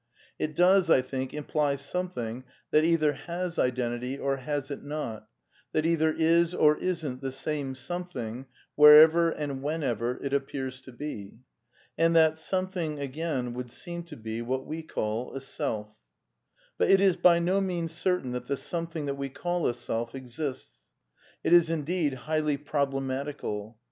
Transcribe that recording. It does, I think, imply someth^ that either has identity or has it not, that eithi is or isn't the same something wherever and whenever it appears to be. And that ^^ something," again, would seem to be what we call a self. But it is by no means certain that the something that we call a self exists. It is, indeed, highly problematical.